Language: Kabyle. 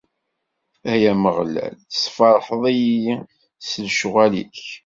Ay Ameɣlal, tessefraḥeḍ-iyi s lecɣwal-ik!